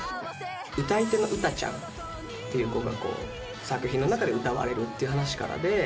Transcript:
歌い手のウタちゃんっていう子が作品の中で歌われるっていう話からで。